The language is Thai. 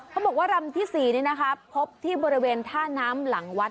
เขาบอกว่ารำที่สี่นี่นะครับพบที่บริเวณท่าน้ำหลังวัด